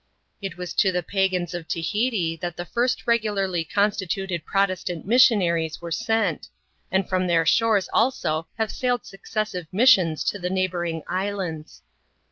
It was to the pagans oi TaJcaXi t\iail the first regularly CHAP, xvm.] TAHITI. 6t constituted Protestant missionaries were sent ; and from their shores also have sailed successive missions to the neighbouring islands.